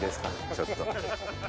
ちょっと。